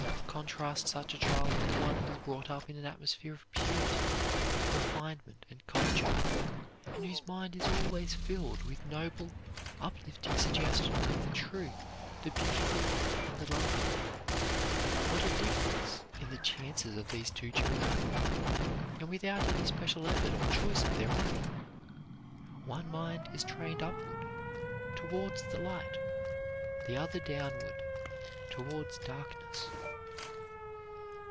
Contrast such a child with one that is brought up in an atmosphere of purity, refinement, and culture, and whose mind is always filled with noble, uplifting suggestions of the true, the beautiful, and the lovely. What a difference in the chances of these two children, and without any special effort or choice of their own! One mind is trained upward, towards the light, the other downward, towards darkness.